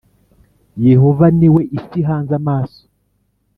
Yehova niwe isi ihanze amaso